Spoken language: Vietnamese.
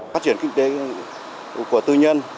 phát triển kinh tế của tư nhân